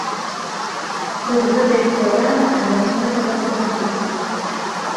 Хоць гэта і складана, але мы гэтага дамагліся.